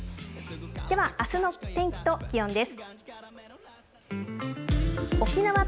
ではあすの天気と気温です。